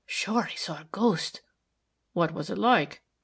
Sure, he saw a ghost!" "What was it like?"